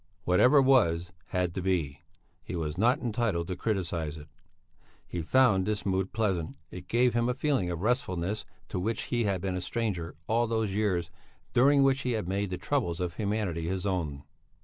Whatever was, had to be; he was not entitled to criticize it. He found this mood pleasant, it gave him a feeling of restfulness to which he had been a stranger all those years during which he had made the troubles of humanity his own.